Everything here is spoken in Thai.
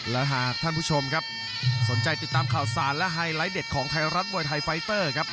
และหากท่านผู้ชมครับสนใจติดตามข่าวสารและไฮไลท์เด็ดของไทยรัฐมวยไทยไฟเตอร์ครับ